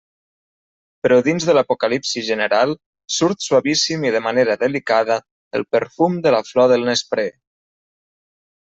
Però dins de l'apocalipsi general surt suavíssim i de manera delicada el perfum de la flor del nesprer.